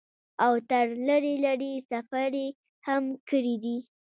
او تر لرې لرې سفرې هم کړي دي ۔